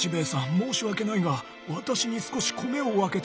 申し訳ないが私に少し米を分けてくれないか。